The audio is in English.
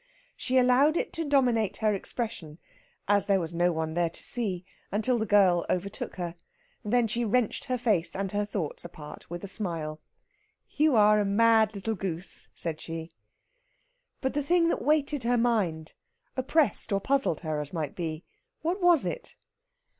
She allowed it to dominate her expression, as there was no one there to see, until the girl overtook her. Then she wrenched her face and her thoughts apart with a smile. "You are a mad little goose," said she. But the thing that weighted her mind oppressed or puzzled her, as might be what was it?